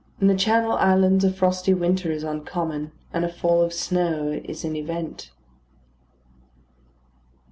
In the Channel Islands a frosty winter is uncommon, and a fall of snow is an event.